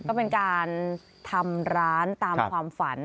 ก็เป็นการทำร้านตามความฝัน